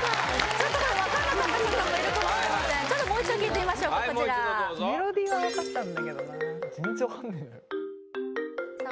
ちょっとこれ分からなかった人もいるかもしれませんちょっともう一度聴いてみましょうかこちらメロディーは分かったんだけどな全然分かんねえさあ